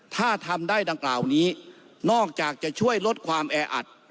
ถ้าทำได้ดังกล่าวนี้นอกจากจะช่วยลดความแออัด